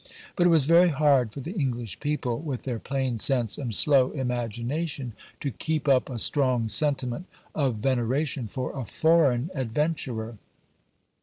But it was very hard for the English people, with their plain sense and slow imagination, to keep up a strong sentiment of veneration for a foreign adventurer.